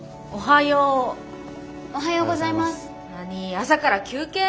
朝から休憩？